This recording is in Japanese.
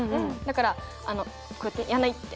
だからこうやって「やんない」って。